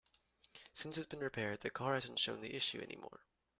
Since it's been repaired, the car hasn't shown the issue any more.